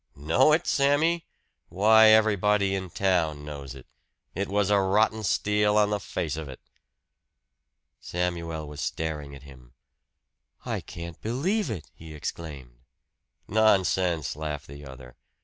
"Know it, Sammy? Why everybody in town knows it. It was a rotten steal, on the face of it." Samuel was staring at him. "I can't believe it!" he exclaimed. "Nonsense!" laughed the other.